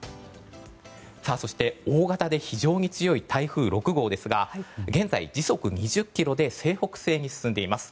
そして、大型で非常に強い台風６号ですが現在、時速２０ｋｍで西北西に進んでいます。